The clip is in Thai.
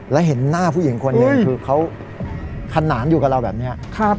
แล้วเห็นหน้าผู้หญิงคนหนึ่งคือเขาขนานอยู่กับเราแบบนี้